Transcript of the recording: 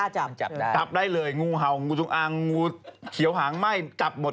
จับได้เลยงูเฮางูสุขังงูเขียวหางใม่จับหมด